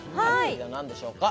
はい何でしょうか？